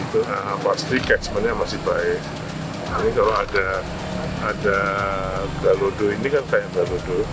tapi kalau ada galodo ini kan kayak galodo